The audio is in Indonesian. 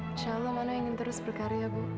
insya allah mano ingin terus berkarya bu